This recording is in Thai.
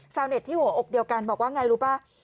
เช่าเน็ตที่หัวอกเดียวกันบอกว่าอย่างไรรู้ไหม